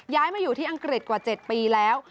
ย้ายมาอยู่ที่อังกฤษกว่า๗ปีแล้ว